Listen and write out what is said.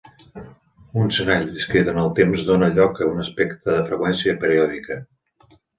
Un senyal discret en el temps dóna lloc a un espectre de freqüència periòdica.